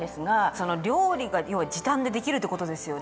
その料理が要は時短でできるってことですよね。